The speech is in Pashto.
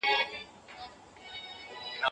پوهه او علم انسان ته رڼا ورکوي.